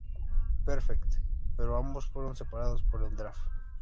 Perfect, pero ambos fueron separados por el Draft.